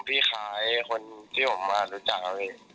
พี่คล้ายคนที่ผมมารู้จัก